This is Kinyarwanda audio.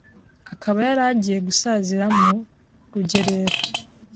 akaba yari agiye gusazira mu rugerero.